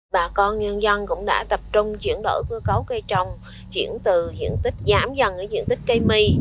bà con nhân dân cũng đã tập trung chuyển đổi cơ cấu cây trồng chuyển từ diện tích giảm dần ở diện tích cây mì